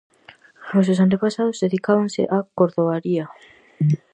Os seus antepasados dedicábanse á cordoaría.